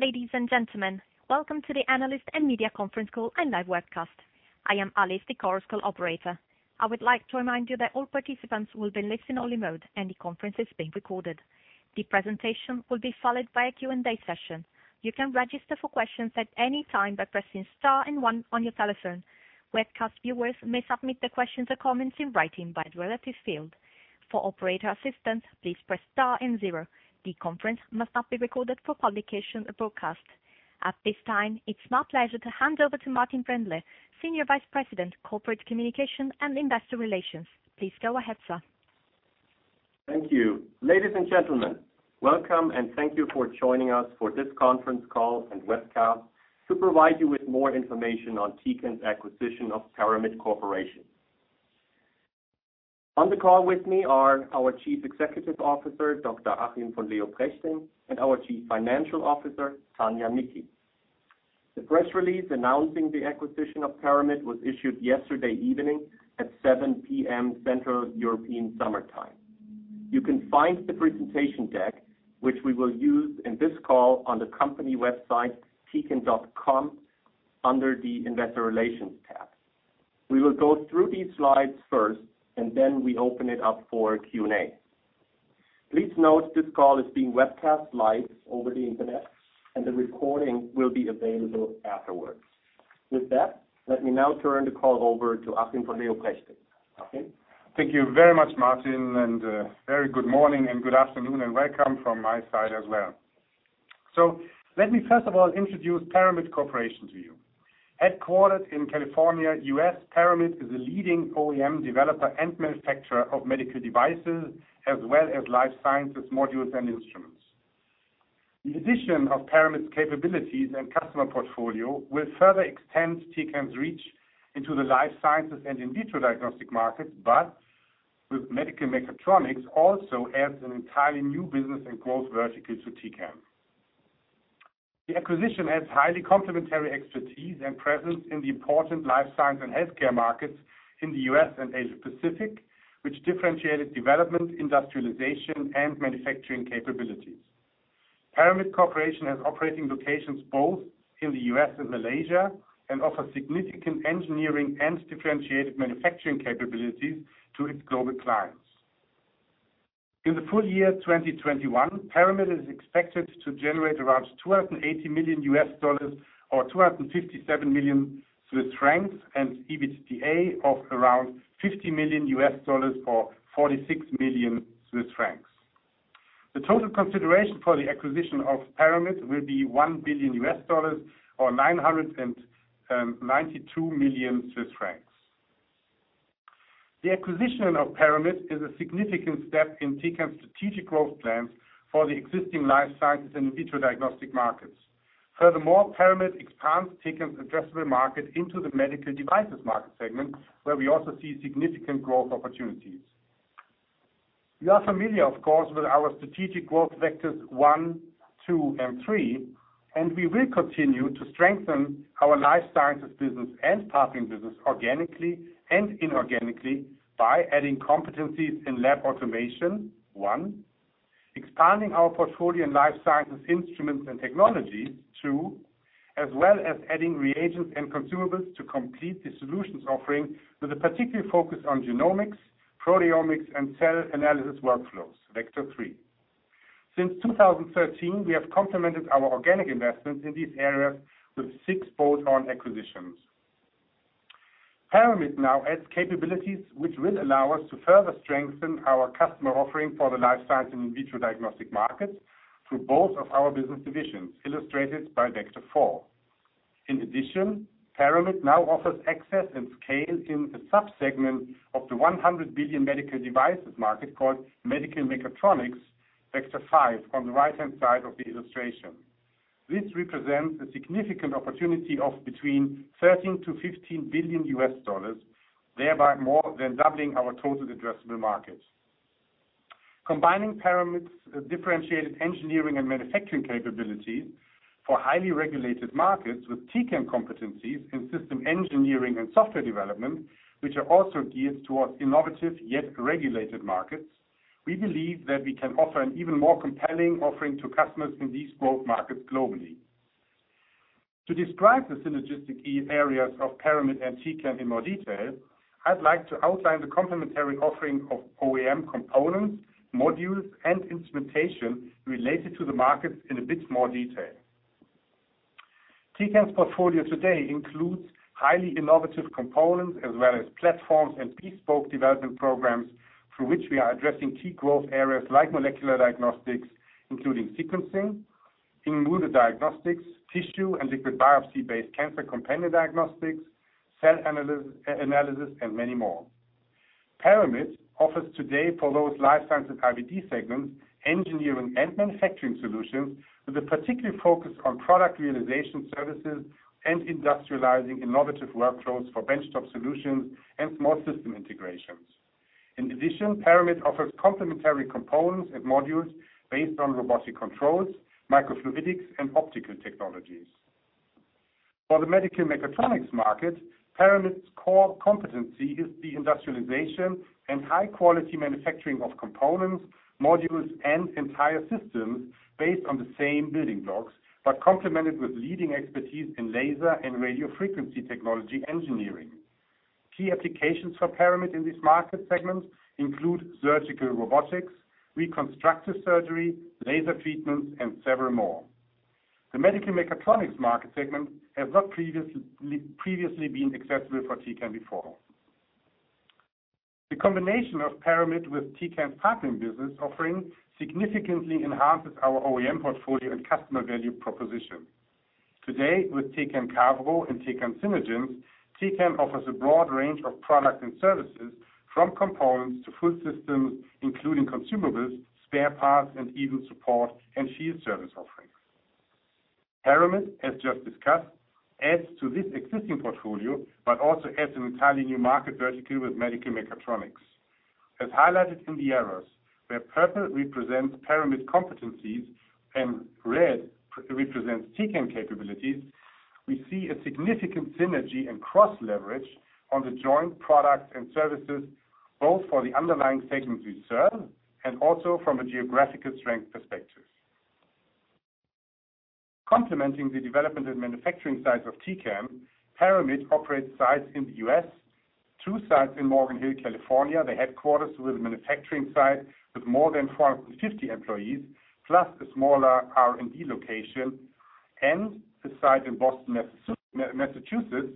Ladies and gentlemen, welcome to the analyst and media conference call and live webcast. I am Alice, the conference call operator. I would like to remind you that all participants will be in listen-only mode, and the conference is being recorded. The presentation will be followed by a Q&A session. You can register for questions at any time by pressing star and one on your telephone. Webcast viewers may submit their questions or comments in writing by the relative field. For operator assistance, please press star and zero. The conference must not be recorded for publication or broadcast. At this time, it's my pleasure to hand over to Martin Brändle, Senior Vice President, Corporate Communications and Investor Relations. Please go ahead, sir. Thank you. Ladies and gentlemen, welcome, and thank you for joining us for this conference call and webcast to provide you with more information on Tecan's acquisition of Paramit Corporation. On the call with me are our Chief Executive Officer, Dr. Achim von Leoprechting, and our Chief Financial Officer, Tania Micki. The press release announcing the acquisition of Paramit was issued yesterday evening at 7:00 P.M. Central European Summer Time. You can find the presentation deck, which we will use in this call, on the company website, tecan.com, under the investor relations tab. We will go through these slides first, and then we open it up for Q&A. Please note this call is being webcast live over the internet, and the recording will be available afterwards. With that, let me now turn the call over to Achim von Leoprechting. Achim? Thank you very much, Martin. A very good morning and good afternoon, and welcome from my side as well. Let me first of all introduce Paramit Corporation to you. Headquartered in California, U.S., Paramit is a leading OEM developer and manufacturer of medical devices as well as Life Sciences modules and instruments. The addition of Paramit's capabilities and customer portfolio will further extend Tecan's reach into the Life Sciences and in vitro diagnostic markets, but with medical mechatronics also adds an entirely new business and growth vertical to Tecan. The acquisition adds highly complementary expertise and presence in the important life science and healthcare markets in the U.S. and Asia Pacific, with differentiated development, industrialization, and manufacturing capabilities. Paramit Corporation has operating locations both in the U.S. and Malaysia and offers significant engineering and differentiated manufacturing capabilities to its global clients. In the full year 2021, Paramit is expected to generate around $280 million or 257 million Swiss francs, and EBITDA of around $50 million or 46 million Swiss francs. The total consideration for the acquisition of Paramit will be $1 billion or 992 million Swiss francs. The acquisition of Paramit is a significant step in Tecan's strategic growth plans for the existing Life Sciences and in vitro diagnostic markets. Furthermore, Paramit expands Tecan's addressable market into the medical devices market segment, where we also see significant growth opportunities. You are familiar, of course, with our strategic growth vectors one, two, and three, and we will continue to strengthen our Life Sciences Business and Partnering Business segment organically and inorganically by adding competencies in lab automation, one, expanding our portfolio in Life Sciences instruments and technology, two, as well as adding reagents and consumables to complete the solutions offering with a particular focus on genomics, proteomics, and cell analysis workflows, vector three. Since 2013, we have complemented our organic investments in these areas with six bolt-on acquisitions. Paramit now adds capabilities which will allow us to further strengthen our customer offering for the life science and in vitro diagnostic markets through both of our business divisions, illustrated by vector four. In addition, Paramit now offers access and scale in a sub-segment of the $100 billion medical devices market called medical mechatronics, vector five, on the right-hand side of the illustration. This represents a significant opportunity of between $13 billion-$15 billion, thereby more than doubling our total addressable market. Combining Paramit's differentiated engineering and manufacturing capabilities for highly regulated markets with Tecan competencies in system engineering and software development, which are also geared towards innovative yet regulated markets, we believe that we can offer an even more compelling offering to customers in these both markets globally. To describe the synergistic key areas of Paramit and Tecan in more detail, I'd like to outline the complementary offering of OEM components, modules, and instrumentation related to the markets in a bit more detail. Tecan's portfolio today includes highly innovative components as well as platforms and bespoke development programs through which we are addressing key growth areas like molecular diagnostics, including sequencing, immunodiagnostics, tissue and liquid biopsy-based cancer companion diagnostics, cell analysis, and many more. Paramit offers today for those Life Sciences IVD segments engineering and manufacturing solutions with a particular focus on product realization services and industrializing innovative workflows for benchtop solutions and small system integrations. In addition, Paramit offers complementary components and modules based on robotic controls, microfluidics, and optical technologies. For the medical mechatronics market, Paramit's core competency is the industrialization and high-quality manufacturing of components, modules, and entire systems based on the same building blocks, but complemented with leading expertise in laser and radio frequency technology engineering. Key applications for Paramit in this market segment include surgical robotics, reconstructive surgery, laser treatment, and several more. The medical mechatronics market segment has not previously been accessible for Tecan before. The combination of Paramit with Tecan's current business offering significantly enhances our OEM portfolio and customer value proposition. Today, with Tecan Cavro and Tecan Synergence, Tecan offers a broad range of products and services from components to full systems, including consumables, spare parts, and even support and field service offerings. Paramit, as just discussed, adds to this existing portfolio, but also adds an entirely new market vertically with medical mechatronics. As highlighted in the arrows, where purple represents Paramit competencies and red represents Tecan capabilities, we see a significant synergy and cross-leverage on the joint products and services, both for the underlying segments we serve and also from a geographical strength perspective. Complementing the development and manufacturing sites of Tecan, Paramit operates sites in the U.S., two sites in Morgan Hill, California, the headquarters with a manufacturing site with more than 450 employees, plus a smaller R&D location, and the site in Boston, Massachusetts,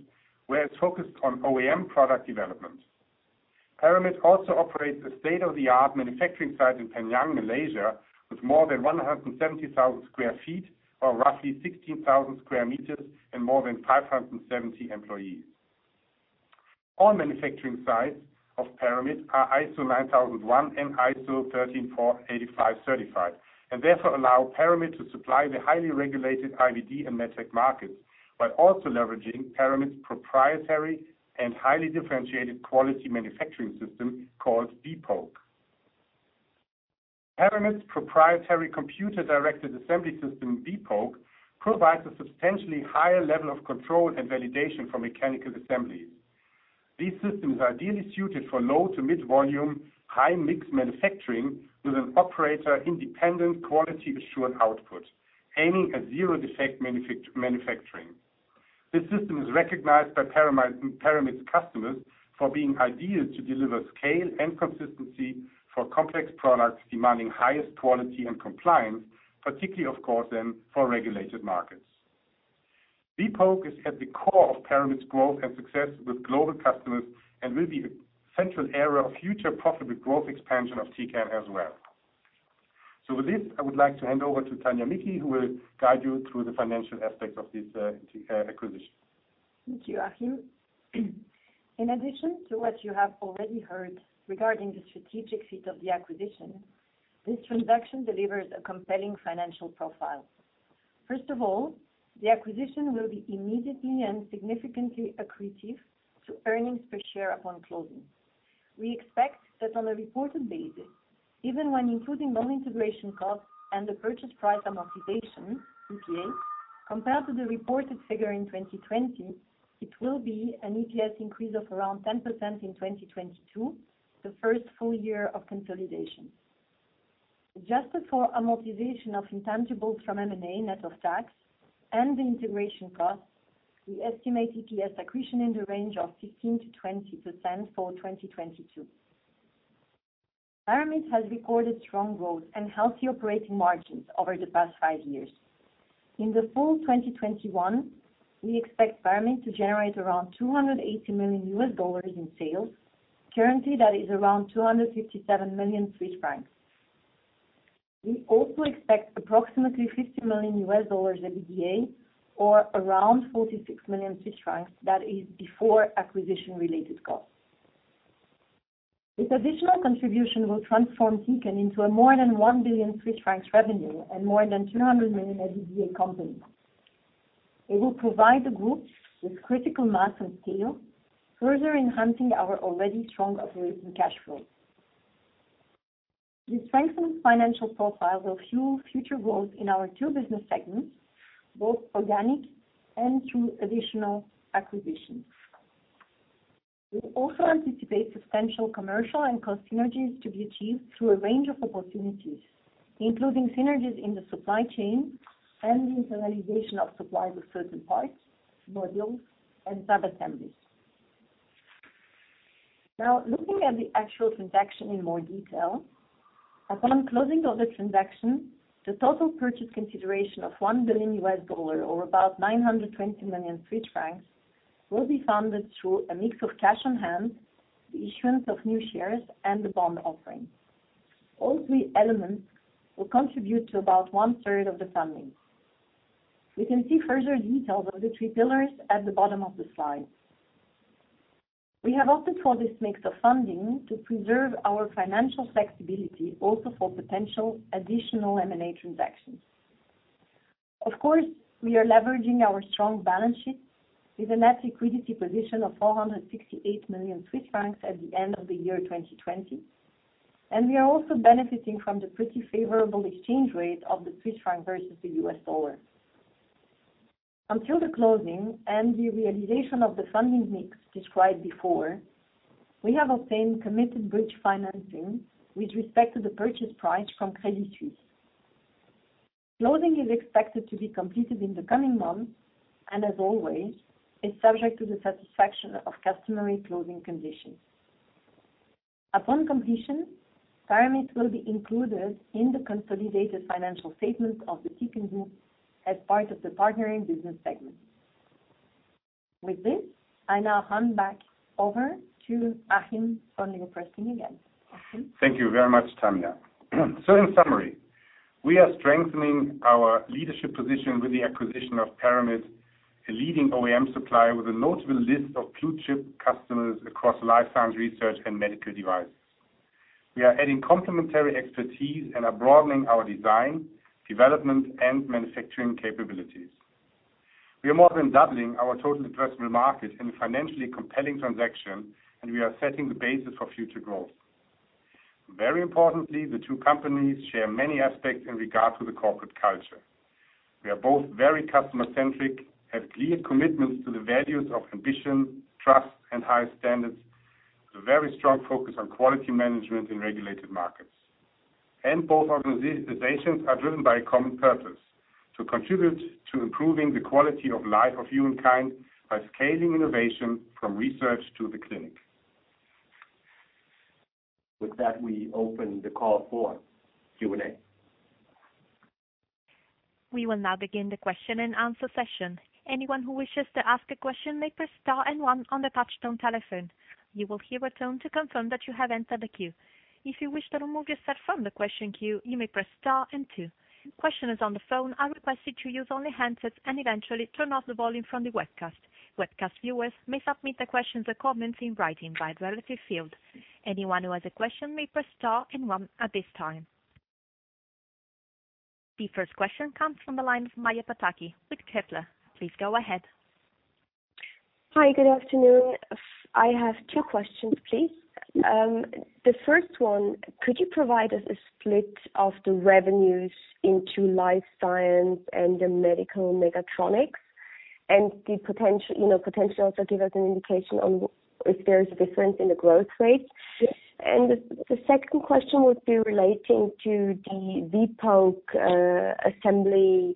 where it's focused on OEM product development. Paramit also operates a state-of-the-art manufacturing site in Penang, Malaysia, with more than 170,000 sq ft or roughly 16,000 sq m and more than 570 employees. All manufacturing sites of Paramit are ISO 9001 and ISO 13485 certified, and therefore allow Paramit to supply the highly regulated IVD and med tech markets while also leveraging Paramit's proprietary and highly differentiated quality manufacturing system called vPoke. Paramit's proprietary computer-directed assembly system, vPoke, provides a substantially higher level of control and validation for mechanical assembly. These systems are ideally suited for low- to mid-volume, high-mix manufacturing with an operator-independent quality assured output, aiming at zero-defect manufacturing. This system is recognized by Paramit's customers for being ideal to deliver scale and consistency for complex products demanding highest quality and compliance, particularly, of course, then for regulated markets. vPoke is at the core of Paramit's growth and success with global customers and will be a central area of future possible growth expansion of Tecan as well. With this, I would like to hand over to Tania Micki, who will guide you through the financial aspect of this Tecan acquisition. Thank you, Achim. In addition to what you have already heard regarding the strategic fit of the acquisition, this transaction delivers a compelling financial profile. The acquisition will be immediately and significantly accretive to earnings per share upon closing. We expect that on a reported basis, even when including non-integration costs and the purchase price amortization, PPA, compared to the reported figure in 2020, it will be an EPS increase of around 10% in 2022, the first full year of consolidation. Just before amortization of intangibles from M&A net of tax and the integration costs, we estimate EPS accretion in the range of 15%-20% for 2022. Paramit has recorded strong growth and healthy operating margins over the past five years. In the full 2021, we expect Paramit to generate around $280 million in sales. Currently, that is around 257 million Swiss francs. We also expect approximately $50 million EBITDA, or around 46 million francs, that is before acquisition-related costs. This additional contribution will transform Tecan into a more than 1 billion Swiss francs revenue and more than 200 million EBITDA company. It will provide the group with critical mass and scale, further enhancing our already strong operating cash flow. This strengthened financial profile will fuel future growth in our two business segments, both organic and through additional acquisitions. We also anticipate substantial commercial and cost synergies to be achieved through a range of opportunities, including synergies in the supply chain and in the validation of suppliers of certain parts, modules, and subassemblies. Looking at the actual transaction in more detail, upon closing of the transaction, the total purchase consideration of $1 billion, or about 920 million Swiss francs, will be funded through a mix of cash on hand, the issuance of new shares, and the bond offering. All three elements will contribute to about 1/3 of the funding. We can see further details of the three pillars at the bottom of the slide. We have opted for this mix of funding to preserve our financial flexibility also for potential additional M&A transactions. We are leveraging our strong balance sheet with a net liquidity position of 468 million Swiss francs at the end of the year 2020. We are also benefiting from the pretty favorable exchange rate of the Swiss franc versus the U.S. dollar. Until the closing and the realization of the funding mix described before, we have obtained committed bridge financing with respect to the purchase price from Credit Suisse. Closing is expected to be completed in the coming months and as always, is subject to the satisfaction of customary closing conditions. Upon completion, Paramit will be included in the consolidated financial statements of the Tecan Group as part of the Partnering Business segment. With this, I now hand back over to Achim for your question again. Achim. Thank you very much, Tania. In summary, we are strengthening our leadership position with the acquisition of Paramit, a leading OEM supplier with a notable list of blue-chip customers across life science research and medical devices. We are adding complementary expertise and are broadening our design, development, and manufacturing capabilities. We are more than doubling our total addressable market in a financially compelling transaction. We are setting the basis for future growth. Very importantly, the two companies share many aspects in regard to the corporate culture. We are both very customer-centric, have clear commitments to the values of ambition, trust, and high standards, with a very strong focus on quality management in regulated markets. Both organizations are driven by a common purpose, to contribute to improving the quality of life of humankind by scaling innovation from research to the clinic. With that, we open the call for Q&A. The first question comes from the line of Maja Pataki with Kepler. Please go ahead. Hi, good afternoon. I have two questions, please. The first one, could you provide us a split of the revenues into life science and the medical mechatronics? Potentially also give us an indication on if there's a difference in the growth rates. Sure. The second question would be relating to the vPoke assembly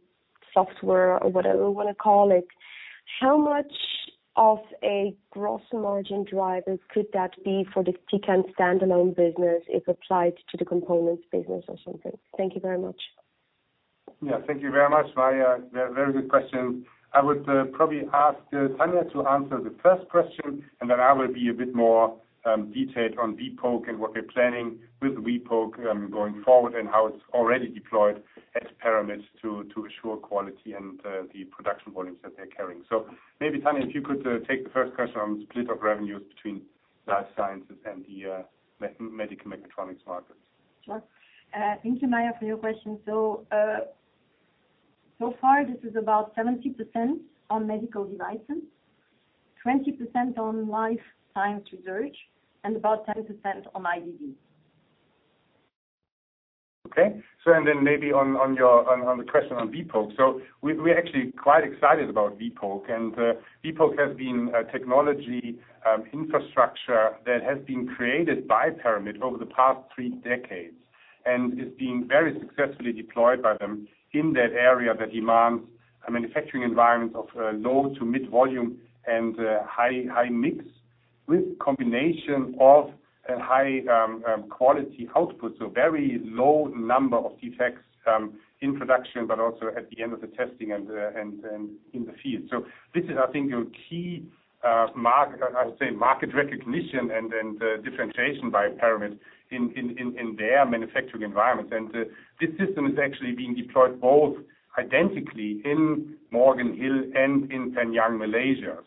software or whatever we want to call it. How much of a gross margin driver could that be for the Tecan standalone business if applied to the components business or something? Thank you very much. Yeah, thank you very much, Maja. Very good question. I would probably ask Tania to answer the first question. Then I will be a bit more detailed on vPoke and what we're planning with vPoke going forward and how it's already deployed at Paramit to assure quality and the production volumes that they're carrying. Maybe, Tania, if you could take the first question on split of revenues between Life Sciences and the medical mechatronics markets. Sure. Thank you, Maja, for your question. So far, this is about 70% on medical devices, 20% on life science research, and about 10% on IVD. Maybe on the question on vPoke. We're actually quite excited about vPoke, and vPoke has been a technology infrastructure that has been created by Paramit over the past three decades and is being very successfully deployed by them in that area that demands a manufacturing environment of low to mid volume and high mix with combination of high quality output. Very low number of defects in production, but also at the end of the testing and in the field. This is, I think, a key market recognition and differentiation by Paramit in their manufacturing environments. This system is actually being deployed both identically in Morgan Hill and in Penang, Malaysia.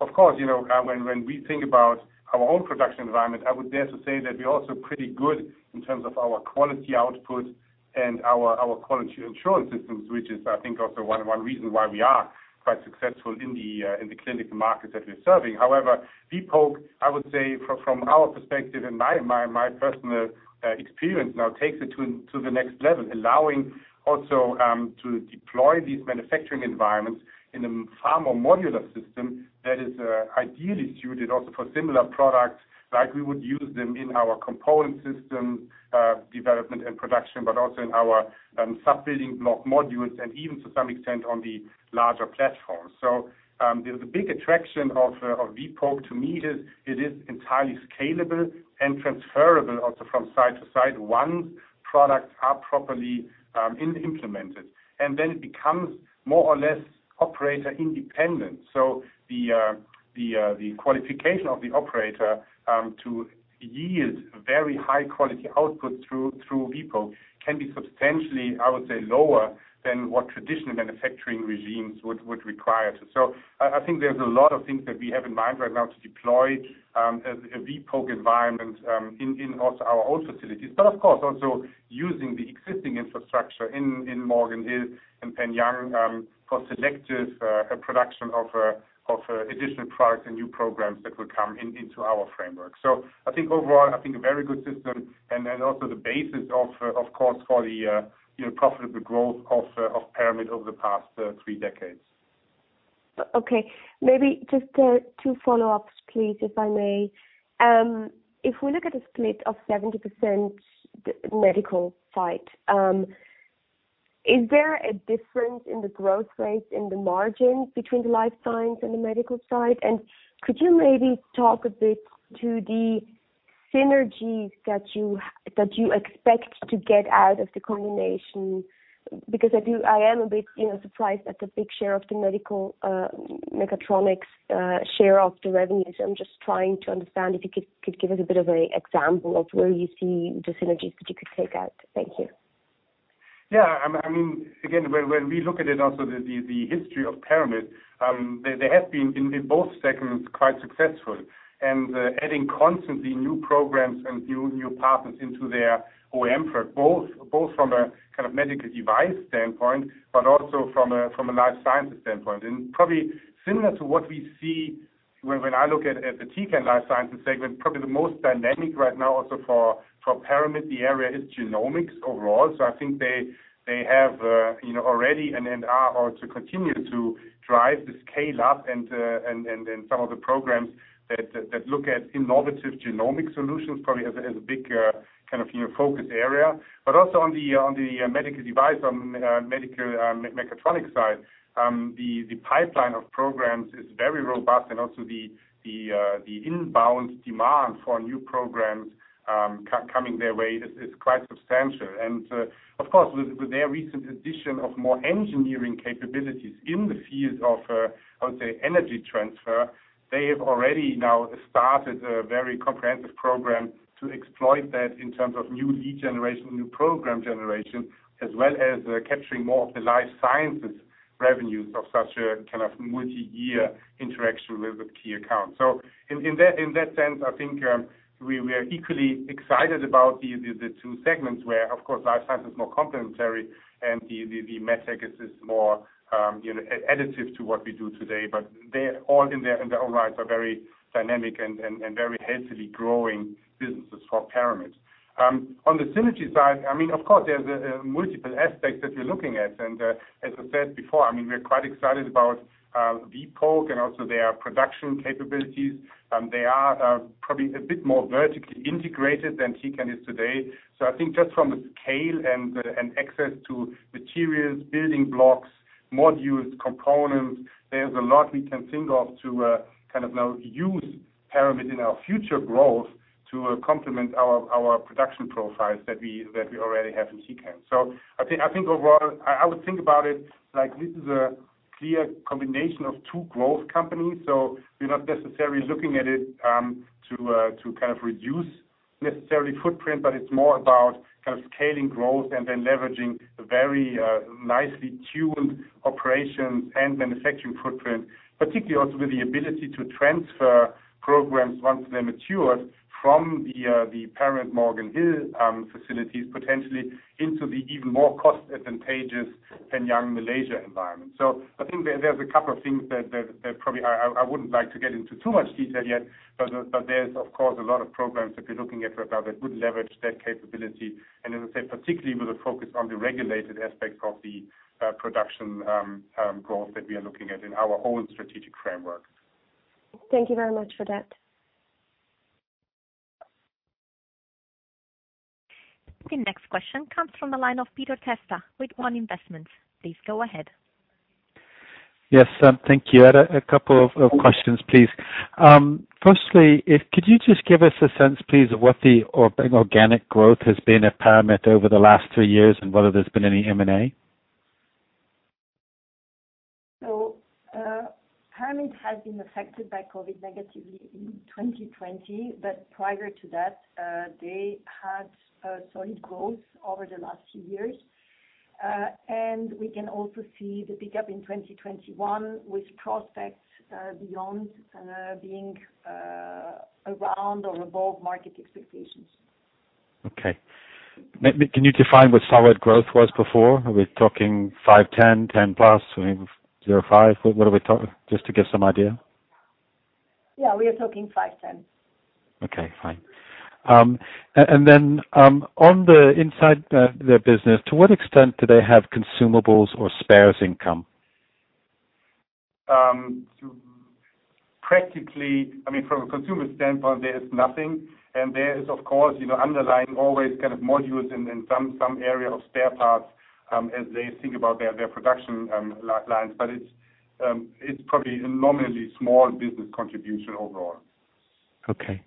Of course, when we think about our own production environment, I would dare to say that we're also pretty good in terms of our quality output and our quality assurance systems, which is, I think, also one reason why we are quite successful in the clinical markets that we're serving. However, vPoke, I would say from our perspective and my personal experience now takes it to the next level, allowing also to deploy these manufacturing environments in a far more modular system that is ideally suited also for similar products like we would use them in our component system development and production, but also in our sub-building block modules and even to some extent on the larger platforms. The big attraction of vPoke to me is it is entirely scalable and transferable also from site to site once products are properly implemented, and then it becomes more or less operator independent. The qualification of the operator to yield very high quality output through vPoke can be substantially, I would say, lower than what traditional manufacturing regimes would require. I think there's a lot of things that we have in mind right now to deploy a vPoke environment in also our own facilities. Of course, also using the existing infrastructure in Morgan Hill and Penang for selective production of additional products and new programs that will come into our framework. I think overall, I think a very good system and then also the basis, of course, for the profitable growth of Paramit over the past three decades. Okay. Maybe just two follow-ups please, if I may. If we look at a split of 70% medical side, is there a difference in the growth rates in the margin between the life science and the medical side? Could you maybe talk a bit to the synergies that you expect to get out of the combination? Because I am a bit surprised at the big share of the medical mechatronics share of the revenues. I'm just trying to understand if you could give us a bit of a example of where you see the synergies that you could take out. Thank you. Yeah. When we look at it also the history of Paramit, they have been in both segments quite successful, and adding constantly new programs and new partners into their OEM work, both from a medical device standpoint, but also from a Life Sciences standpoint. Probably similar to what we see when I look at the Tecan Life Sciences segment, probably the most dynamic right now also for Paramit, the area is genomics overall. I think they have already and are also continue to drive the scale-up and some of the programs that look at innovative genomic solutions probably as a big focus area, but also on the medical device, on medical mechatronics side. The pipeline of programs is very robust and also the inbound demand for new programs coming their way is quite substantial. Of course, with their recent addition of more engineering capabilities in the field of, I would say, energy transfer, they have already now started a very comprehensive program to exploit that in terms of new lead generation, new program generation, as well as capturing more of the Life Sciences revenues of such a multi-year interaction with the key account. In that sense, I think we are equally excited about the two segments where, of course, life science is more complementary and the med tech is more additive to what we do today. They all in their own rights are very dynamic and very healthily growing businesses for Paramit. On the synergy side, of course, there are multiple aspects that we're looking at. As I said before, we're quite excited about vPoke and also their production capabilities. They are probably a bit more vertically integrated than Tecan is today. I think just from the scale and access to materials, building blocks, modules, components, there's a lot we can think of to now use Paramit in our future growth to complement our production profiles that we already have in Tecan. I think overall, I would think about it like this is a clear combination of two growth companies, so we're not necessarily looking at it to reduce necessarily footprint, but it's more about scaling growth and then leveraging very nicely tuned operations and manufacturing footprint, particularly also with the ability to transfer programs once they're matured from the Paramit Morgan Hill facilities, potentially into the even more cost advantageous Penang, Malaysia environment. I think there's a couple of things that probably I wouldn't like to get into too much detail yet, but there's of course, a lot of programs that we're looking at right now that would leverage that capability. As I said, particularly with a focus on the regulated aspects of the production growth that we are looking at in our own strategic framework. Thank you very much for that. The next question comes from the line of Peter Testa with One Investments. Please go ahead. Yes. Thank you. I had a couple of questions, please. Firstly, could you just give us a sense, please, of what the organic growth has been at Paramit over the last two years and whether there's been any M&A? Paramit has been affected by COVID negatively in 2020, but prior to that, they had a solid growth over the last few years. We can also see the pickup in 2021 with prospects beyond being around or above market expectations. Okay. Can you define what solid growth was before? Are we talking 5%, 10%, 10%+, 5%? What are we talking? Just to give some idea. Yeah, we are talking 5%, 10%. Okay, fine. On the inside their business, to what extent do they have consumables or spares income? Practically, from a consumer standpoint, there is nothing, and there is, of course, underlying always modules in some area of spare parts, as they think about their production lines. It's probably a nominally small business contribution overall. Okay.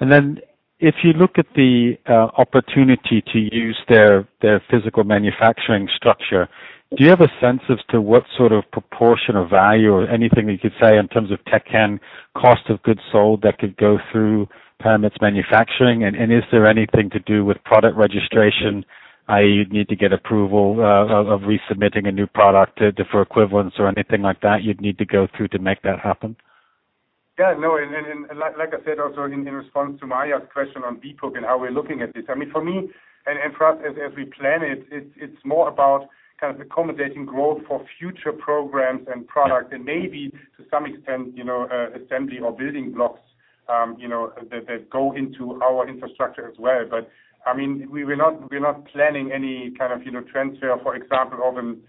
Then if you look at the opportunity to use their physical manufacturing structure, do you have a sense as to what sort of proportion of value or anything that you could say in terms of Tecan cost of goods sold that could go through Paramit's manufacturing? Is there anything to do with product registration, i.e., you'd need to get approval of resubmitting a new product for equivalents or anything like that you'd need to go through to make that happen? In response to Maja's question on vPoke and how we're looking at this. For me, and for us as we plan it's more about accommodating growth for future programs and product and, to some extent, assembly or building blocks that go into our infrastructure as well. We're not planning any kind of transfer, for example, of an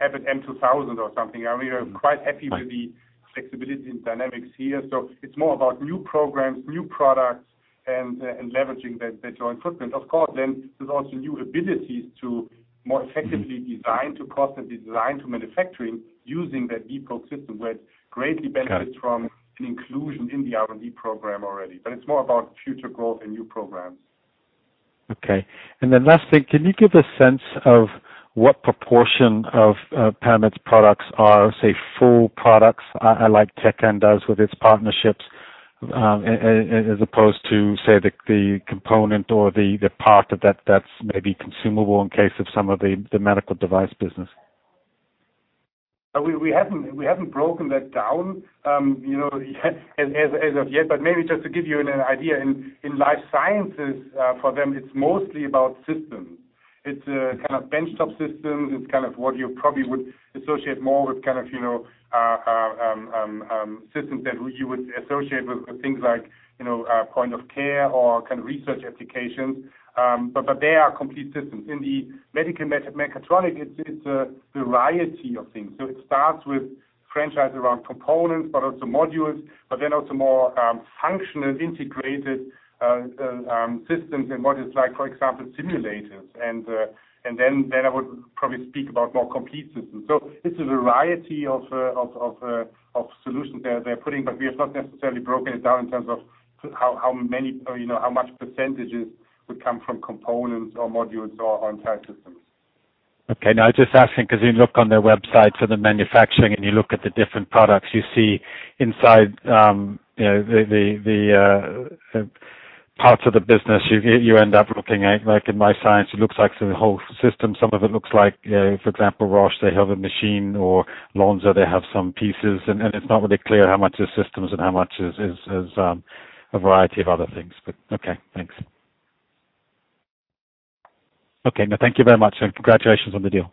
Abbott m2000 or something. We are quite happy with the flexibility and dynamics here. It's more about new programs, new products, and leveraging that joint footprint. There's also new abilities to more effectively design to cost and design to manufacturing using that vPoke system, which greatly benefits from an inclusion in the R&D program already. It's more about future growth and new programs. Okay. Last thing, can you give a sense of what proportion of Paramit's products are, say, full products, like Tecan does with its partnerships, as opposed to, say, the component or the part of that that's maybe consumable in case of some of the medical device business? We haven't broken that down as of yet. Maybe just to give you an idea, in Life Sciences, for them, it's mostly about systems. It's a kind of benchtop system. It's what you probably would associate more with systems that you would associate with things like point of care or research applications. They are complete systems. In the medical mechatronics, it's a variety of things. It starts with franchise around components, but also modules, but then also more functional integrated systems than what is like, for example, simulators. Then I would probably speak about more complete systems. It's a variety of solutions that they're putting, but we've not necessarily broken it down in terms of how much percentages would come from components or modules or entire systems. Okay. No, I'm just asking because you look on their websites for the manufacturing and you look at the different products you see inside the parts of the business, you end up looking at, like in life science, it looks like the whole system. Some of it looks like, for example, Roche, they have a machine or Lonza, they have some pieces, and it's not really clear how much is systems and how much is a variety of other things, but okay, thanks. Okay, thank you very much and congratulations on the deal.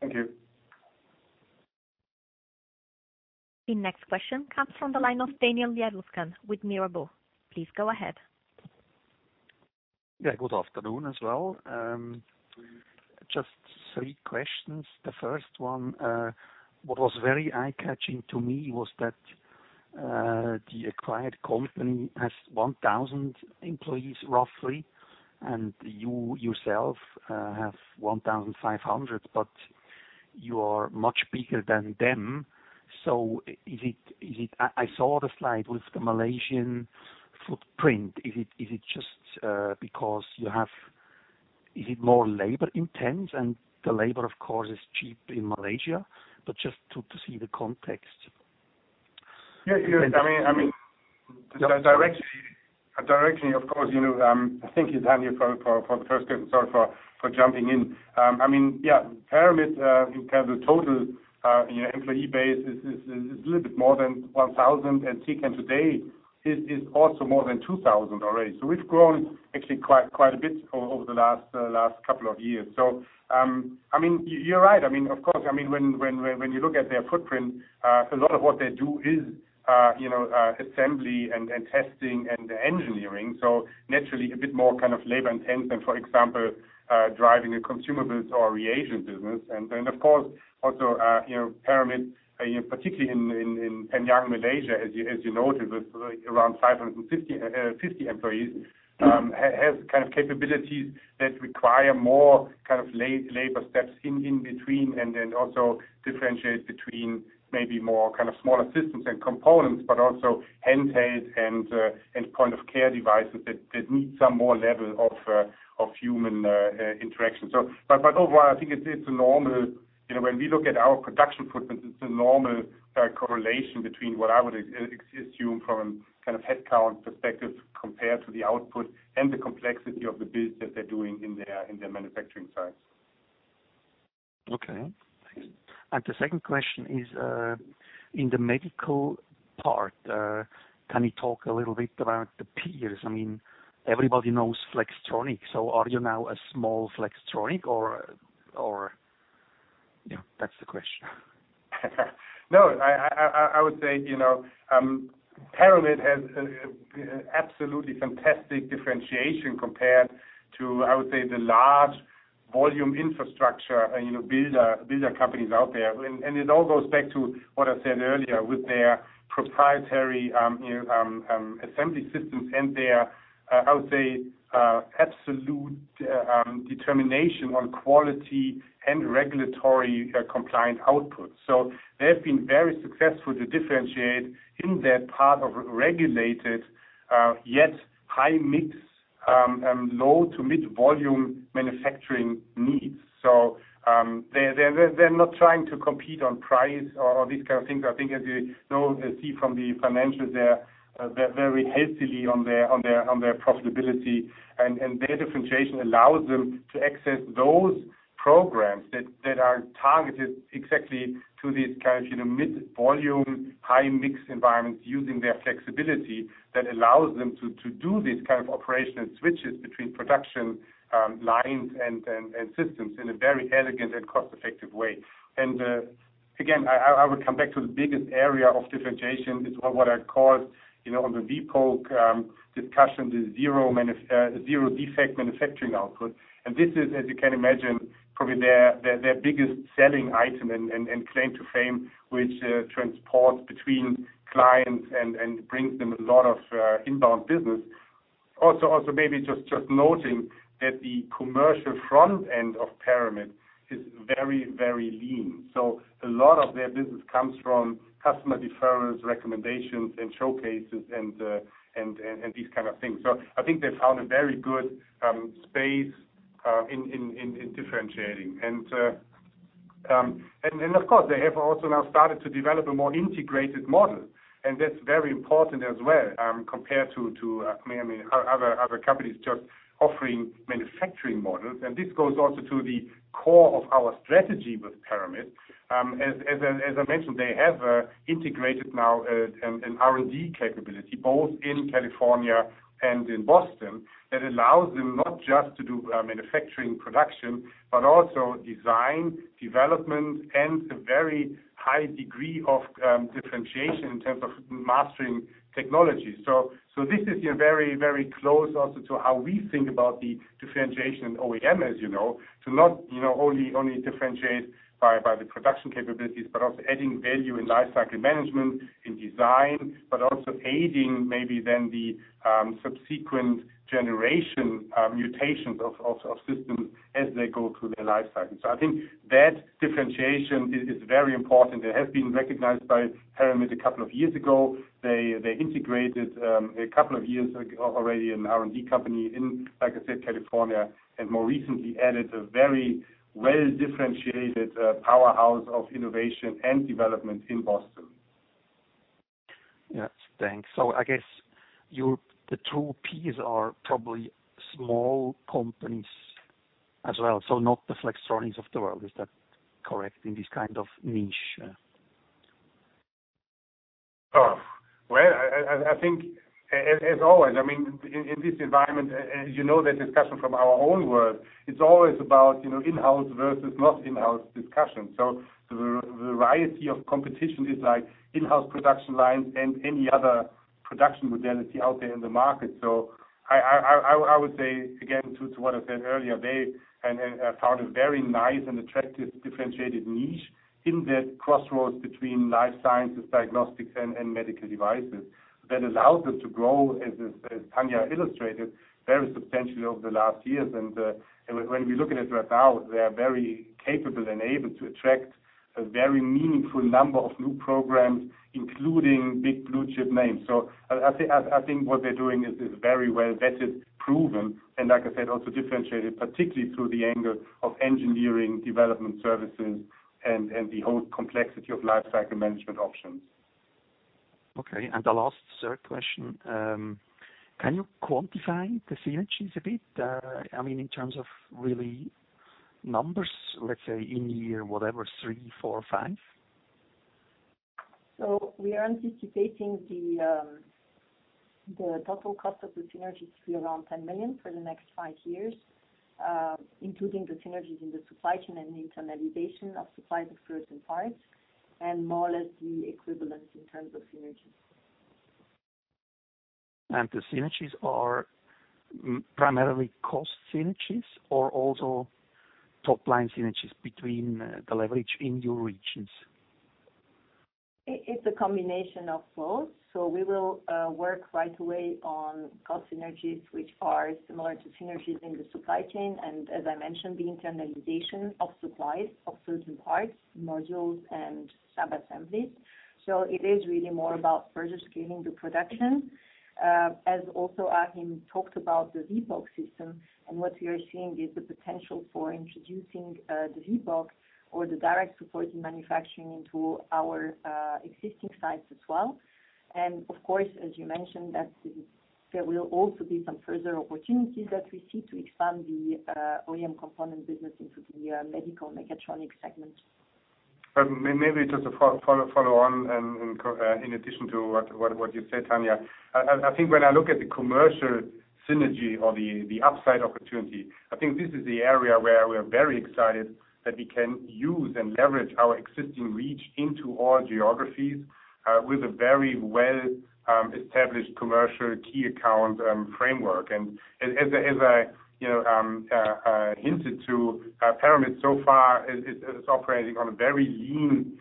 Thank you. The next question comes from the line of Daniel Jelovcan with Mirabaud. Please go ahead. Good afternoon as well. Just three questions. The first one, what was very eye-catching to me was that the acquired company has 1,000 employees roughly, and you yourself have 1,500, but you are much bigger than them. I saw the slide with the Malaysian footprint. Is it more labor-intent? The labor, of course, is cheap in Malaysia, but just to see the context. Yeah. Directionally, of course, thank you, Daniel, for jumping in. Yeah, Paramit, the total employee base is a little bit more than 1,000, and Tecan today is also more than 2,000 already. We've grown actually quite a bit over the last couple of years. You're right. Of course, when you look at their footprint, a lot of what they do is assembly and testing and engineering. Naturally, a bit more kind of labor-intent than, for example, driving a consumables or reagents business. Of course, also, Paramit, particularly in Penang, Malaysia, as you noted, with around 550 employees, has capabilities that require more labor steps in between and then also differentiate between maybe more kind of smaller systems and components, but also handheld and point-of-care devices that need some more level of human interaction. Overall, I think when we look at our production footprint, it's a normal correlation between what I would assume from a headcount perspective compared to the output and the complexity of the builds that they're doing in their manufacturing sites. Okay. The second question is, in the medical part, can you talk a little bit about the peers? Everybody knows Flextronics, are you now a small Flextronics or? Yeah, that's the question. I would say, Paramit has absolutely fantastic differentiation compared to, I would say, the large volume infrastructure builder companies out there. It all goes back to what I said earlier with their proprietary assembly systems and their, I would say, absolute determination on quality and regulatory compliant output. They've been very successful to differentiate in that part of regulated, yet high-mix, low- to mid-volume manufacturing needs. They're not trying to compete on price or these kind of things. I think as you see from the financials there, they're very healthy on their profitability, and their differentiation allows them to access those programs that are targeted exactly to these kind of mid-volume, high-mix environments using their flexibility that allows them to do these kind of operational switches between production lines and systems in a very elegant and cost-effective way. Again, I will come back to the biggest area of differentiation is what I call, the vPoke discussion, the zero-defect manufacturing output. This is, as you can imagine, probably their biggest selling item and claim to fame, which transports between clients and brings them a lot of inbound business. Maybe just noting that the commercial front end of Paramit is very lean. A lot of their business comes from customer referrals, recommendations, and showcases and these kind of things. I think they found a very good space in differentiating. Then, of course, they have also now started to develop a more integrated model, and that's very important as well compared to many other companies just offering manufacturing models. This goes also to the core of our strategy with Paramit. As I mentioned, they have integrated now an R&D capability, both in California and in Boston, that allows them not just to do manufacturing production, but also design, development, and a very high degree of differentiation in terms of mastering technology. This is very close also to how we think about the differentiation in OEMs. To not only differentiate by the production capabilities, but also adding value in lifecycle management, in design, but also aiding maybe then the subsequent generation mutations of systems as they go through their lifecycles. I think that differentiation is very important. It has been recognized by Paramit a couple of years ago. They integrated, a couple of years already, an R&D company in, like I said, California, and more recently added a very well-differentiated powerhouse of innovation and development in Boston. Yes. Thanks. I guess the two peers are probably small companies as well, so not the Flextronics of the world. Is that correct in this kind of niche? Well, I think as always, in this environment, you know that discussion from our own world, it's always about in-house versus not in-house discussion. The variety of competition is in-house production lines and any other production modality out there in the market. I would say, again, to what I said earlier, they have found a very nice and attractive differentiated niche in that crossroads between Life Sciences, diagnostics, and medical devices that allows us to grow, as Tania illustrated, very substantially over the last years. When we look at it right now, they are very capable and able to attract a very meaningful number of new programs, including big blue-chip names. I think what they're doing is very well vetted, proven, and like I said, also differentiated particularly through the angle of engineering development services and the whole complexity of lifecycle management options. Okay, the last third question, can you quantify the synergies a bit? In terms of really numbers, let's say in year, whatever, three, four, or five? We are anticipating the total cost of the synergies to be around 10 million for the next five years, including the synergies in the supply chain and internalization of supply for certain parts, and more or less the equivalent in terms of synergies. The synergies are primarily cost synergies or also top-line synergies between the leverage in your regions? It's a combination of both. We will work right away on cost synergies, which are similar to synergies in the supply chain, and as I mentioned, the internalization of supplies of certain parts, modules, and subassemblies. It is really more about further scaling the production. As also Achim talked about the vPoke system, and what we are seeing is the potential for introducing the vPoke or the direct support in manufacturing into our existing sites as well. Of course, as you mentioned, that there will also be some further opportunities that we see to expand the OEM component business into the medical mechatronics segment. Maybe just to follow on in addition to what you said, Tania. I think when I look at the commercial synergy or the upside opportunity, I think this is the area where we're very excited that we can use and leverage our existing reach into all geographies with a very well-established commercial key account framework. As I hinted to, Paramit so far is operating on a very lean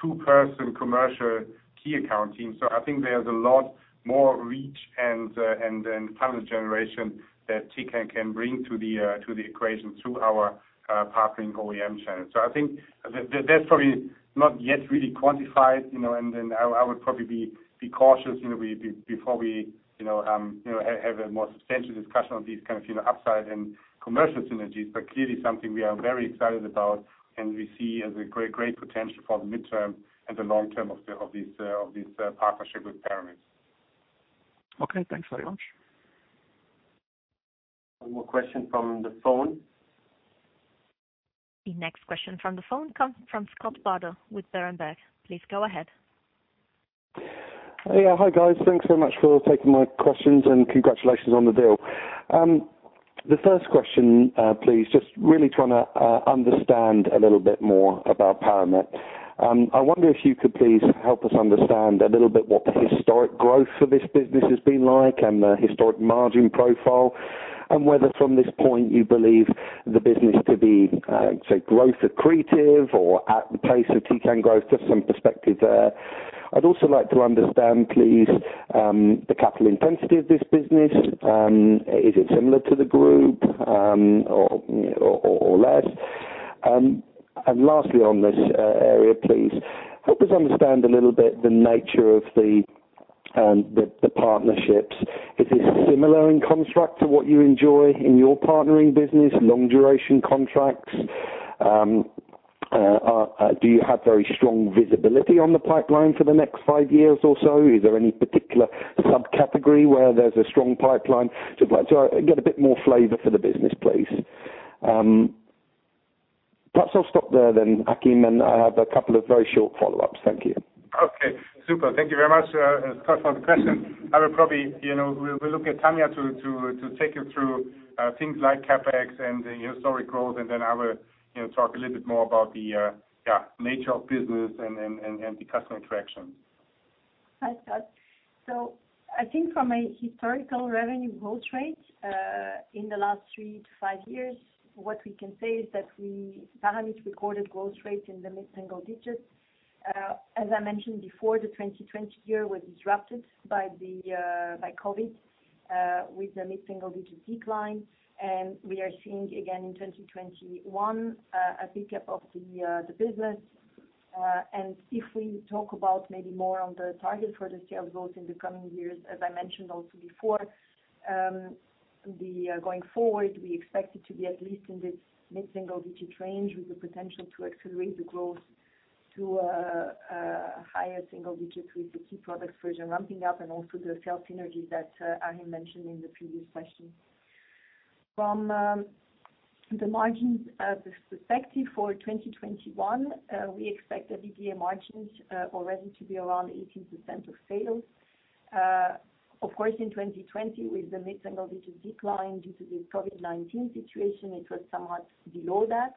two-person commercial key account team. I think there's a lot more reach and then customer generation that Tecan can bring to the equation through our partnering OEM channel. I think that's probably not yet really quantified, and then I would probably be cautious before we have a more substantial discussion of these kind of upside and commercial synergies. Clearly something we are very excited about, and we see as a great potential for the midterm and the long term of this partnership with Paramit. Okay, thanks very much. One more question from the phone. The next question from the phone comes from Scott Bardo with Berenberg. Please go ahead. Yeah. Hi, guys. Thanks so much for taking my questions, and congratulations on the deal. The first question, please, just really trying to understand a little bit more about Paramit. I wonder if you could please help us understand a little bit what the historic growth for this business has been like and the historic margin profile, and whether from this point you believe the business to be growth accretive or at the pace of Tecan growth. Just some perspective there. I'd also like to understand, please, the capital intensity of this business. Is it similar to the group, or less? Lastly on this area, please, help us understand a little bit the nature of the partnerships. Is it similar in construct to what you enjoy in your Partnering Business, long duration contracts? Do you have very strong visibility on the pipeline for the next five years or so? Is there any particular subcategory where there is a strong pipeline? Just like to get a bit more flavor for the business, please. Perhaps I will stop there then, Achim, and I have a couple of very short follow-ups. Thank you. Okay, super. Thank you very much for the questions. We'll look at Tania to take you through things like CapEx and the historic growth, then I will talk a little bit more about the nature of business and the customer interaction. Thanks, Scott. I think from a historical revenue growth rate, in the last three to five years, what we can say is that Paramit recorded growth rate in the mid-single digits. As I mentioned before, the 2020 year was disrupted by COVID with a mid-single digit decline, and we are seeing again in 2021 a pick-up of the business. If we talk about maybe more on the target for the sales growth in the coming years, as I mentioned also before, going forward, we expect it to be at least in this mid-single digit range with the potential to accelerate the growth to a higher single digit with the key products further ramping up and also the sales synergies that Achim mentioned in the previous session. From the margins perspective for 2021, we expect EBITDA margins already to be around 18% of sales. Of course, in 2020, with the mid-single digit decline due to the COVID-19 situation, it was somewhat below that.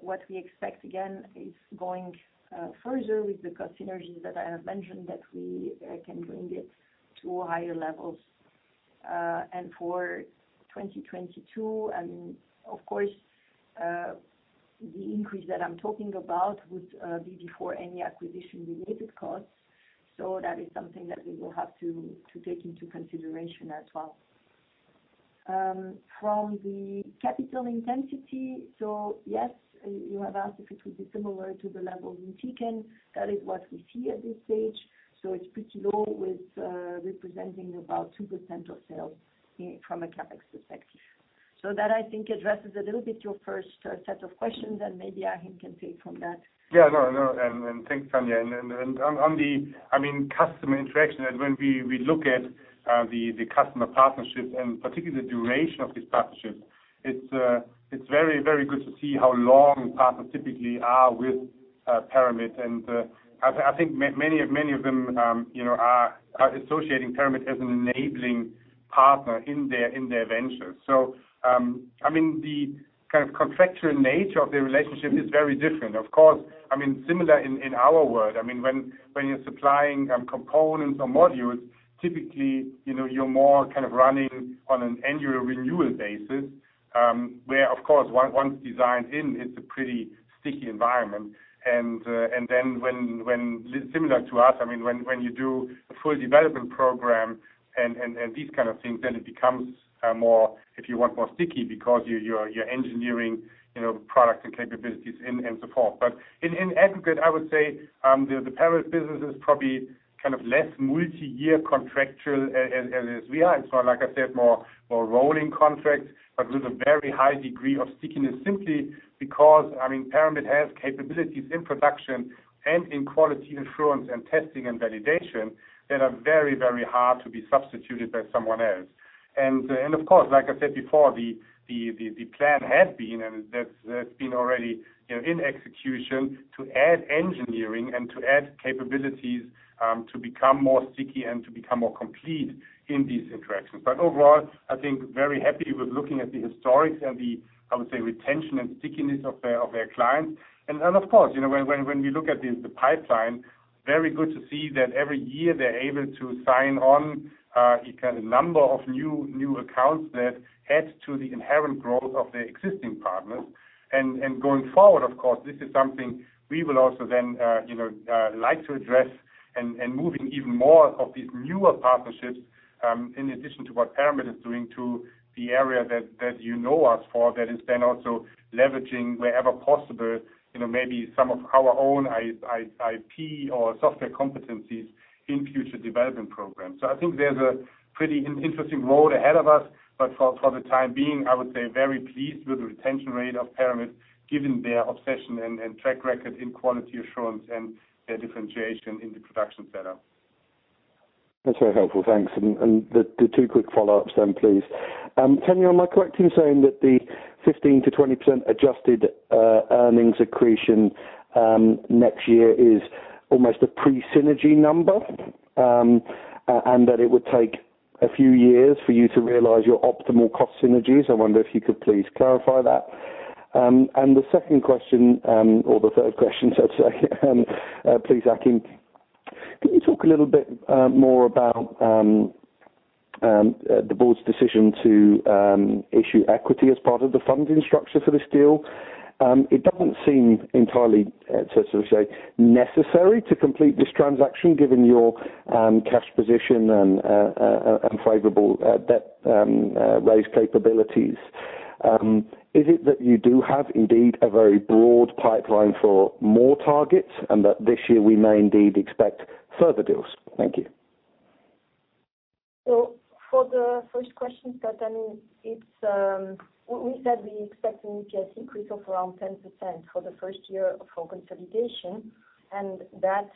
What we expect, again, is going further with the cost synergies that I have mentioned, that we can bring it to higher levels. For 2022, and of course, the increase that I'm talking about would be before any acquisition-related costs. That is something that we will have to take into consideration as well. From the capital intensity, yes, you have asked if it will be similar to the levels in Tecan. That is what we see at this stage. It's pretty low, with representing about 2% of sales from a CapEx perspective. That I think addresses a little bit your first set of questions, and maybe Achim can take from that. Yeah, no. Thanks, Tania. On the customer interaction, and when we look at the customer partnerships and particularly the duration of these partnerships, it's very good to see how long partners typically are with Paramit. I think many of them are associating Paramit as an enabling partner in their ventures. The kind of contractual nature of the relationship is very different. Of course, similar in our world, when you're supplying components or modules, typically, you're more kind of running on an annual renewal basis, where, of course, once designed in, it's a pretty sticky environment. Then when, similar to us, when you do a full development program and these kind of things, then it becomes more, if you want, more sticky because you're engineering products and capabilities and support. In aggregate, I would say, the Paramit business is probably kind of less multi-year contractual as we are. Like I said, more rolling contracts, but with a very high degree of stickiness simply because Paramit has capabilities in production and in quality assurance and testing and validation that are very hard to be substituted by someone else. Of course, like I said before, the plan has been, and that's been already in execution, to add engineering and to add capabilities to become more sticky and to become more complete in these interactions. Overall, I think very happy with looking at the historics and the, I would say, retention and stickiness of their clients. Of course, when you look at the pipeline, very good to see that every year they're able to sign on a number of new accounts that add to the inherent growth of their existing partners. Going forward, of course, this is something we will also then like to address and moving even more of these newer partnerships, in addition to what Paramit is doing to the area that you know us for, that is then also leveraging wherever possible, maybe some of our own IP or software competencies in future development programs. I think there's a pretty interesting road ahead of us. For the time being, I would say very pleased with the retention rate of Paramit, given their obsession and track record in quality assurance and their differentiation in the production space. That's very helpful. Thanks. The two quick follow-ups then, please. Tania, am I correct in saying that the 15%-20% adjusted earnings accretion next year is almost a pre-synergy number, and that it would take a few years for you to realize your optimal cost synergies? I wonder if you could please clarify that. The second question or the third question, so to say, please, Achim, can you talk a little bit more about the board's decision to issue equity as part of the funding structure for this deal? It doesn't seem entirely, so to say, necessary to complete this transaction given your cash position and favorable raise capabilities. Is it that you do have indeed a very broad pipeline for more targets and that this year we may indeed expect further deals? Thank you. For the first question, Scott, we said we expect an EPS increase of around 10% for the first year of consolidation, and that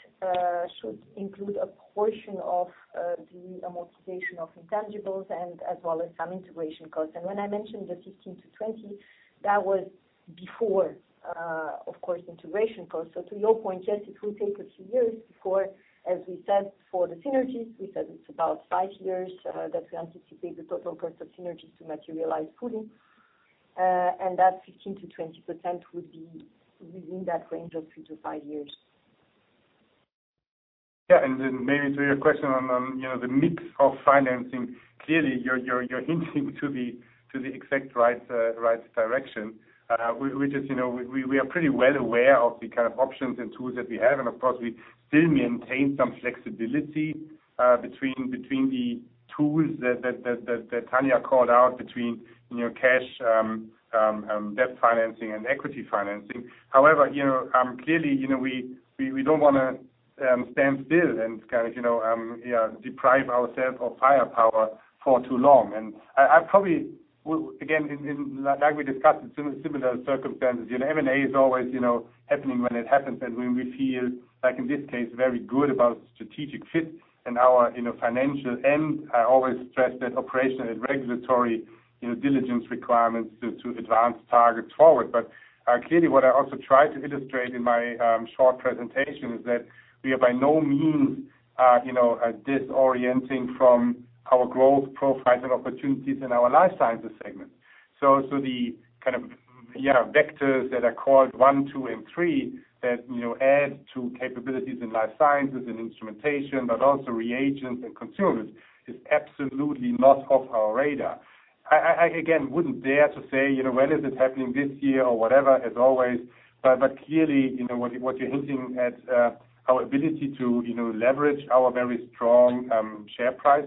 should include a portion of the amortization of intangibles and as well as some integration costs. When I mentioned the 15%-20%, that was before, of course, integration costs. To your point, yes, it will take a few years before, as we said, for the synergies, we said it's about five years that we anticipate the total cost of synergies to materialize fully, and that 15%-20% would be within that range of two to five years. Yeah, then maybe to your question on the mix of financing, clearly, you're hinting to the exact right direction. We are pretty well aware of the kind of options and tools that we have, and of course, we still maintain some flexibility between the tools that Tania called out between cash, debt financing, and equity financing. However, clearly, we don't want to stand still and deprive ourselves of firepower for too long. I probably will, again, like we discussed in similar circumstances, M&A is always happening when it happens and when we feel, like in this case, very good about strategic fit and our financial end, I always stress that operational and regulatory diligence requirements to advance targets forward. Clearly, what I also tried to illustrate in my short presentation is that we are by no means disorienting from our growth profile opportunities in our Life Sciences segment. The kind of vectors that are called one, two, and three that add to capabilities in Life Sciences and instrumentation, but also reagents and consumables, is absolutely not off our radar. I, again, wouldn't dare to say, whether it is happening this year or whatever, as always, but clearly, what you're hinting at our ability to leverage our very strong share price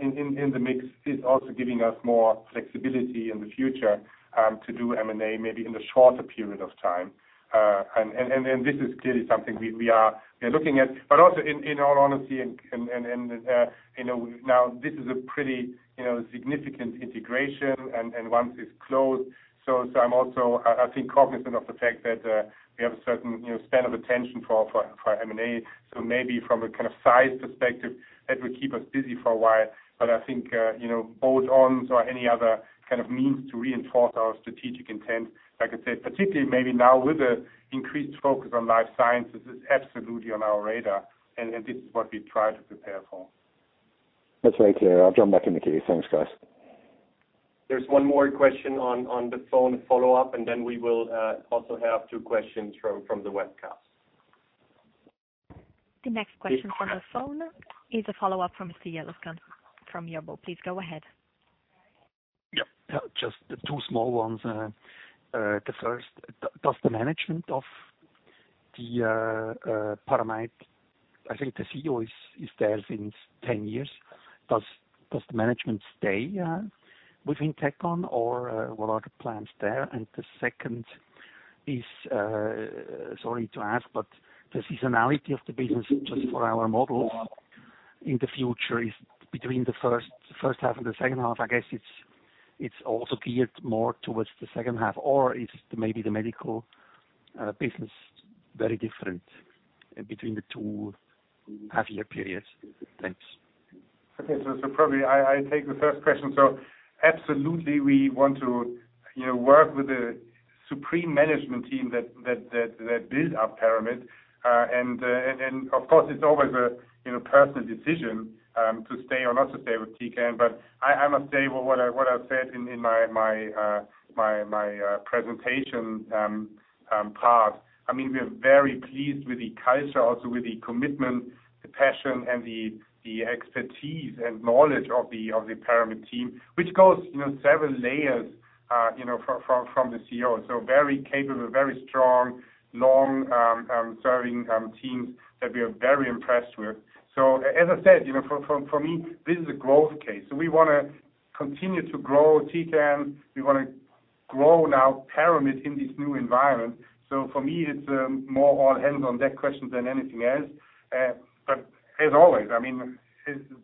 in the mix is also giving us more flexibility in the future to do M&A maybe in a shorter period of time. This is clearly something we are looking at. Also, in all honesty, now this is a pretty significant integration and once it's closed. I'm also, I think, cognizant of the fact that we have a certain span of attention for M&A. Maybe from a size perspective, that will keep us busy for a while, but I think bolt-ons or any other kind of means to reinforce our strategic intent, like I said, particularly maybe now with an increased focus on Life Sciences, is absolutely on our radar, and this is what we try to prepare for. That's very clear. I'll drop back in the queue. Thanks, guys. There's one more question on the phone follow-up, and then we will also have two questions from the webcast. The next question for the phone is a follow-up from. Please go ahead. Yep. Just two small ones. The first, does the management of the Paramit, I think the CEO is there since 10 years. Does management stay within Tecan, or what are the plans there? The second is, sorry to ask, but the seasonality of the business, just for our models in the future is between the first half and the second half, I guess it's also geared more towards the second half, or is maybe the medical business very different between the two half-year periods? Thanks. Okay. Probably I take the first question. Absolutely, we want to work with the supreme management team that built up Paramit. Of course, it's always a personal decision to stay or not to stay with Tecan. I must say what I said in my presentation part, we are very pleased with the culture, also with the commitment, the passion, and the expertise and knowledge of the Paramit team, which goes several layers from the CEO. Very capable, very strong, long-serving team that we are very impressed with. As I said, for me, this is a growth case. We want to continue to grow Tecan. We want to grow now Paramit in this new environment. For me, it's more on handling that question than anything else. As always,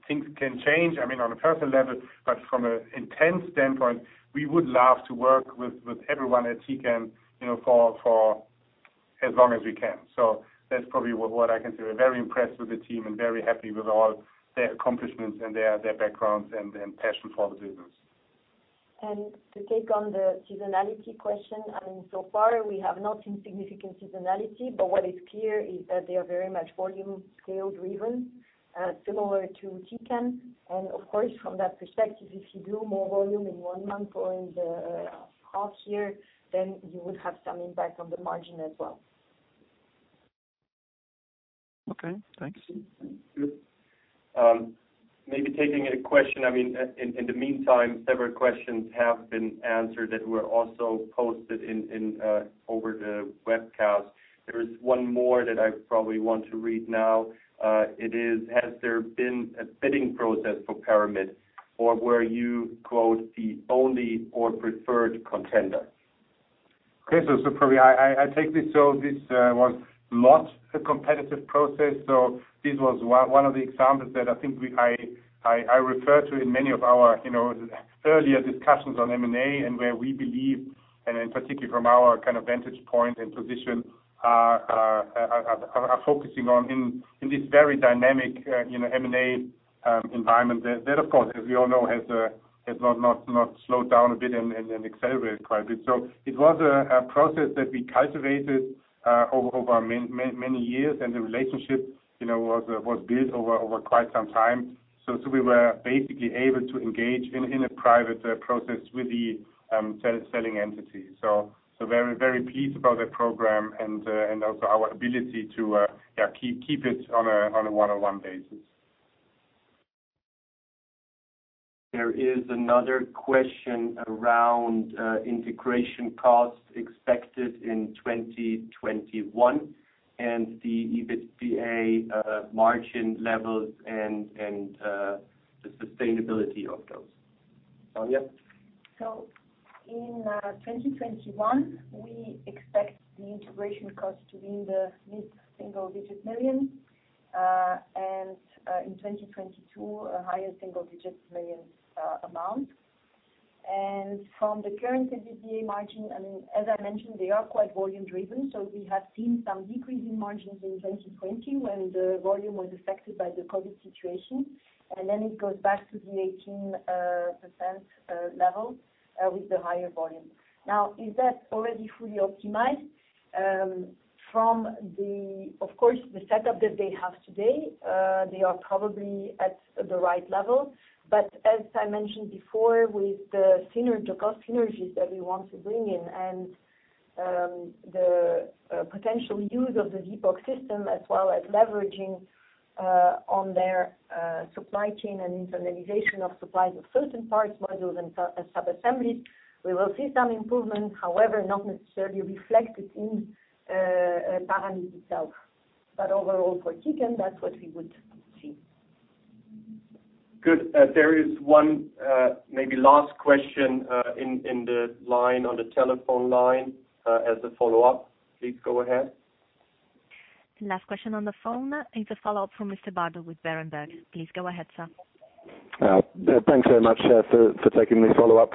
things can change, on a personal level, but from an intent standpoint, we would love to work with everyone at Tecan for as long as we can. That's probably what I can say. We're very impressed with the team and very happy with all their accomplishments and their backgrounds and passion for the business. To take on the seasonality question, so far, we have not seen significant seasonality. What is clear is that they are very much volume scale driven, similar to Tecan. Of course, from that perspective, if you do more volume in one month or in the half year, then you would have some impact on the margin as well. Okay, thanks. Good. Maybe taking a question, in the meantime, several questions have been answered that were also posted over the webcast. There is one more that I probably want to read now. It is: Has there been a bidding process for Paramit, or were you "the only or preferred contender? Okay, probably, I take this. This was not a competitive process. This was one of the examples that I think I referred to in many of our earlier discussions on M&A and where we believe, and in particular from our vantage point and position, are focusing on in this very dynamic M&A environment, that, of course, as we all know, has not slowed down a bit and accelerated quite a bit. It was a process that we cultivated over many years, and the relationship was built over quite some time. We were basically able to engage in a private process with the selling entity. Very, very pleased about the program and also our ability to keep it on a one-on-one basis. There is another question around integration costs expected in 2021 and the EBITDA margin levels and the sustainability of those. Tania? In 2021, we expect the integration cost to be in the mid-single digit million. In 2022, a higher single-digit million amount. From the current EBITDA margin, as I mentioned, they are quite volume driven. We have seen some decrease in margins in 2020 when the volume was affected by the COVID situation. It goes back to the 18% level with the higher volume. Now, is that already fully optimized? From the, of course, the setup that they have today, they are probably at the right level. As I mentioned before, with the cost synergies that we want to bring in and the potential use of the vPoke system as well as leveraging on their supply chain and internalization of supplies of certain parts, modules, and sub-assemblies, we will see some improvement. However, not necessarily reflected in Paramit itself. Overall for Tecan, that's what we would see. Good. There is one, maybe last question in the line, on the telephone line as a follow-up. Please go ahead. Last question on the phone is a follow-up from Mr. Bardo with Berenberg. Please go ahead, sir. Thanks very much for taking this follow-up.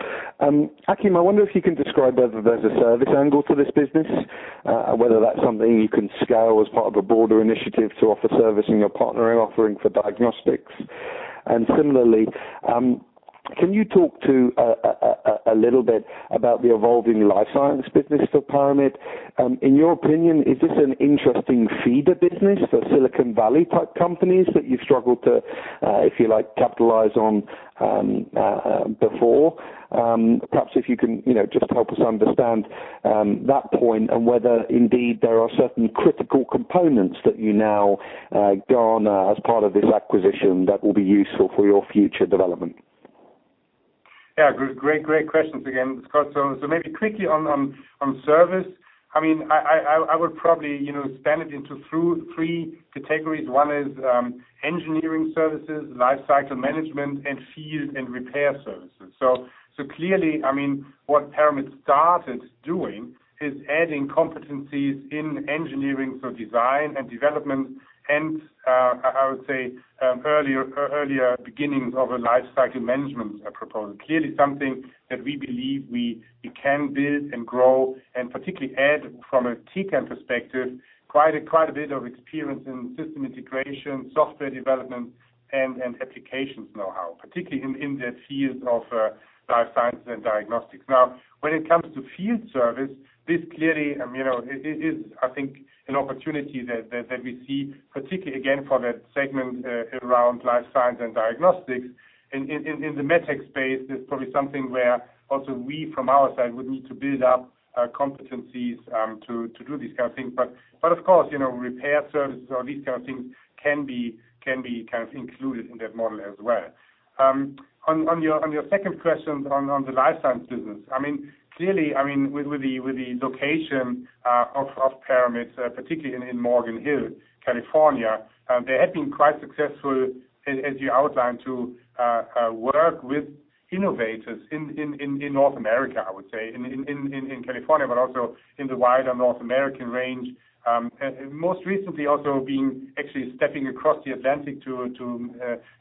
Achim, I wonder if you can describe whether there's a service angle to this business, whether that's something you can scale as part of a broader initiative to offer service in your partnering offering for diagnostics. Similarly, can you talk to a little bit about the evolving life science business for Paramit? In your opinion, is this an interesting feeder business for Silicon Valley type companies that you've struggled to, if you like, capitalize on before? Perhaps if you can just help us understand that point and whether indeed there are certain critical components that you now garner as part of this acquisition that will be useful for your future development. Yeah, great questions again. Maybe quickly on service. I would probably span it into three categories. One is engineering services, life cycle management, and field and repair services. Clearly, what Paramit started doing is adding competencies in engineering, so design and development, and I would say earlier beginnings of a life cycle management proposal. Clearly something that we believe we can build and grow and particularly add from a Tecan perspective, quite a bit of experience in system integration, software development, and applications know-how, particularly in the field of life science and diagnostics. When it comes to field service, this clearly is, I think, an opportunity that we see, particularly again, for that segment around life science and diagnostics. In the med tech space, it's probably something where also we, from our side, would need to build up our competencies to do these kind of things. Of course, repair services or these kind of things can be included in that model as well. On your second question on the Life Science business, clearly, with the location of Paramit, particularly in Morgan Hill, California, they have been quite successful, as you outlined, to work with innovators in North America, I would say, in California, but also in the wider North American range. Most recently also being actually stepping across the Atlantic to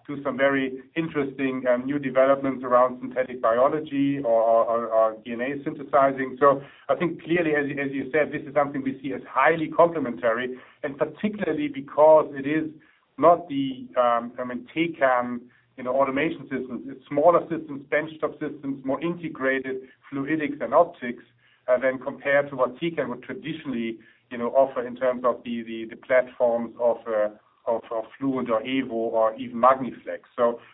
do some very interesting new developments around synthetic biology or DNA synthesizing. I think clearly, as you said, this is something we see as highly complementary, and particularly because it is not the Tecan automation systems. It's smaller systems, benchtop systems, more integrated fluidics and optics, than compared to what Tecan would traditionally offer in terms of the platforms of Fluent or EVO or even Magni Flex.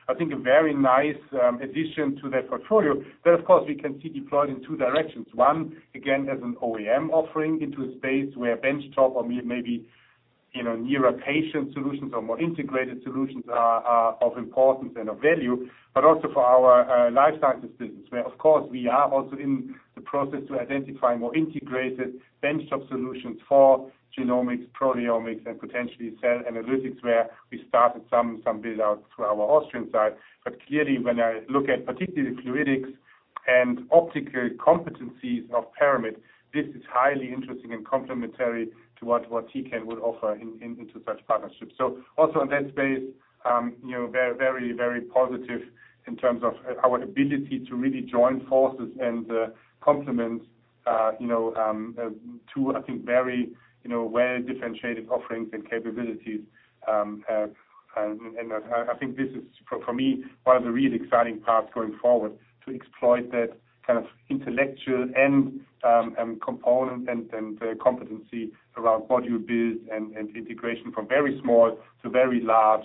I think a very nice addition to that portfolio. Of course, we can see deployed in two directions. One, again, as an OEM offering into a space where benchtop or maybe nearer patient solutions or more integrated solutions are of importance and of value, but also for our Life Sciences business, where of course, we are also in the process to identify more integrated benchtop solutions for genomics, proteomics, and potentially cell analysis, where we started some build out to our Austrian site. Clearly, when I look at particularly fluidics and optical competencies of Paramit, this is highly interesting and complementary to what Tecan would offer into such partnerships. Also in that space very, very positive in terms of our ability to really join forces and complement two, I think, very well-differentiated offerings and capabilities. I think this is, for me, one of the really exciting parts going forward, to exploit that kind of intellectual end component and competency around module build and integration from very small to very large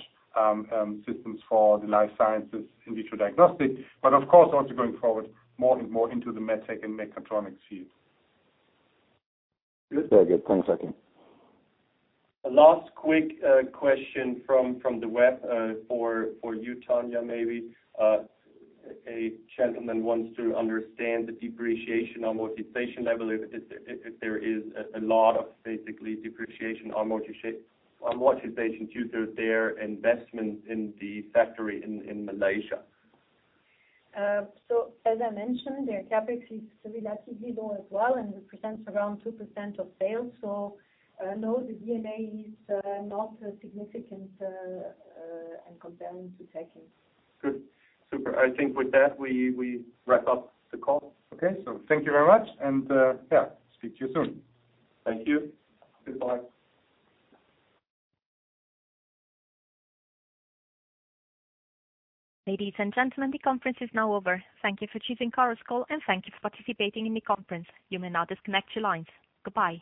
systems for the Life Sciences in vitro diagnostics. But of course, also going forward more and more into the med tech and mechatronics field. Good. One second. A last quick question from the web for you, Tania, maybe. A gentleman wants to understand the depreciation amortization level, if there is a lot of basically depreciation amortization due to their investment in the factory in Malaysia. As I mentioned, the CapEx is really that low as well, and it represents around 2% of sales. No, the D&A is not significant and compared to tech. Good. Super. I think with that, we wrap up the call. Okay. Thank you very much and yeah, speak to you soon. Thank you. Goodbye. Ladies and gentlemen, the conference is now over. Thank you for choosing call and thank you for participating in the conference. You may now disconnect your lines. Goodbye